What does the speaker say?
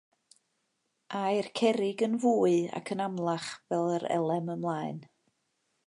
Ai'r cerrig yn fwy ac yn amlach fel yr elem ymlaen.